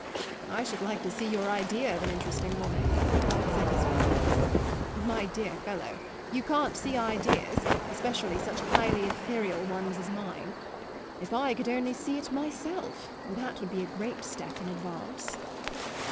"I should like to see your idea of an interesting woman," said his friend. "My dear fellow, you can't see ideas especially such highly ethereal ones as mine. If I could only see it myself that would be a great step in advance."